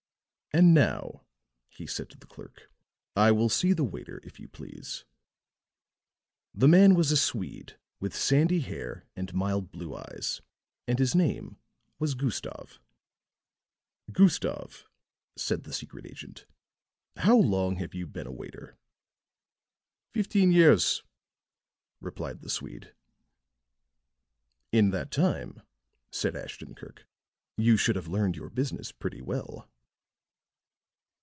"And now," he said to the clerk, "I will see the waiter, if you please." The man was a Swede with sandy hair and mild blue eyes; and his name was Gustave. "Gustave," said the secret agent, "how long have you been a waiter?" "Fifteen years," replied the Swede. "In that time," said Ashton Kirk, "you should have learned your business pretty well."